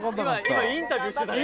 「今インタビューしてたね」